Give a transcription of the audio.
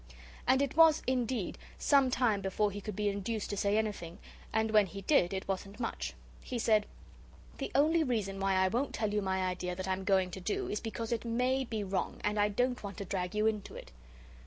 And it was, indeed, some time before he could be induced to say anything, and when he did it wasn't much. He said: "The only reason why I won't tell you my idea that I'm going to do is because it MAY be wrong, and I don't want to drag you into it."